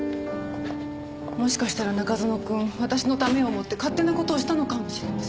もしかしたら中園くん私のためを思って勝手な事をしたのかもしれません。